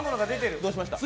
どうしましたか？